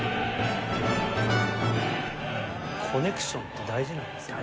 コネクションって大事なんですね。